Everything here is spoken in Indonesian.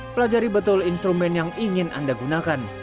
pelajari betul instrumen yang ingin anda gunakan